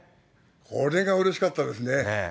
それがうれしかったですね。